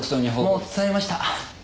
もう伝えました。